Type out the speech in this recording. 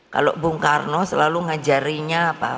kalau bung karno selalu mengajarinya apa